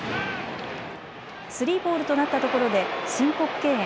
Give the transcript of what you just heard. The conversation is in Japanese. ３ボールとなったところで申告敬遠。